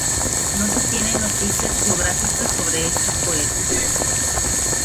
No se tienen noticias biográficas sobre este poeta.